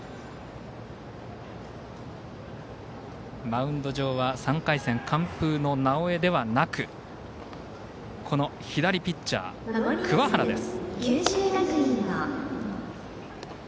マウンド上は３回戦完封の直江ではなくこの左ピッチャー、桑原です。